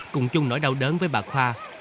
cùng chung nỗi đau đớn với bà khoa